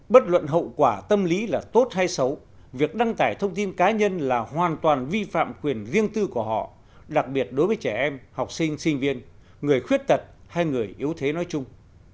bất luận hậu quả tâm lý là tốt hay xấu việc đăng tải thông tin cá nhân là hoàn toàn vi phạm quyền riêng tư của họ đặc biệt đối với trẻ em học sinh sinh viên người khuyết tật hay người yếu thế nói chung